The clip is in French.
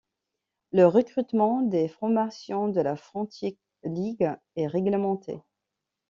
Le recrutement des formations de la Frontier League est règlementé.